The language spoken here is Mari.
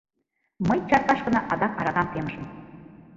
Мый чаркашкына адак аракам темышым.